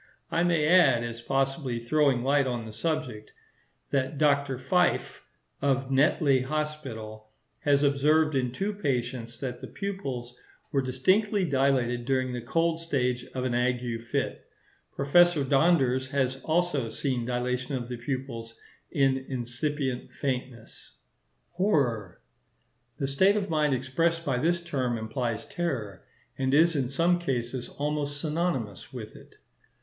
I may add, as possibly throwing light on the subject, that Dr. Fyffe, of Netley Hospital, has observed in two patients that the pupils were distinctly dilated during the cold stage of an ague fit. Professor Donders has also often seen dilatation of the pupils in incipient faintness. Horror.—The state of mind expressed by this term implies terror, and is in some, cases almost synonymous with it.